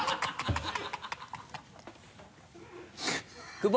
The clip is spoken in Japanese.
久保！